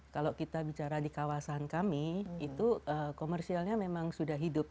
kalau kita bicara di kawasan kami itu komersialnya memang sudah hidup